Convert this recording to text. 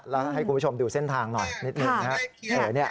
แล้วให้คุณผู้ชมดูเส้นทางหน่อยนิดหนึ่งนะครับ